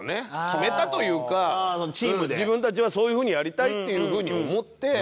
決めたというか自分たちはそういうふうにやりたいっていうふうに思って。